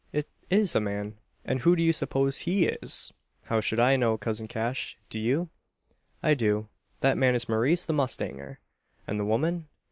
It is a man!" "And who do you suppose he is?" "How should I know, cousin Cash? Do you?" "I do. That man is Maurice the mustanger!" "And the woman?"